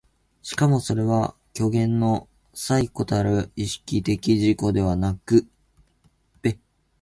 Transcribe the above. しかもそれは虚幻の伴子たる意識的自己ということではなく、